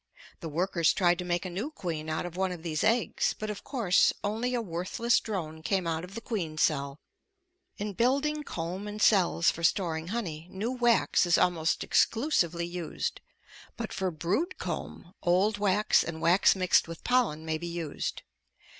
The workers tried to make a new queen out of one of these eggs, but of course only a worthless drone came out of the queen cell. In building comb and cells for storing honey, new wax is almost exclusively used, but for brood comb old wax and wax mixed with pollen may be used.